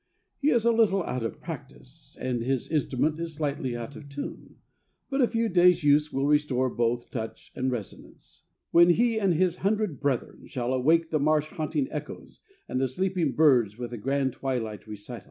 He is a little out of practice, and his instrument is slightly out of tune, but a few days' use will restore both touch and resonance, when he and his hundred brethren shall awaken the marsh haunting echoes and the sleeping birds with a grand twilight recital.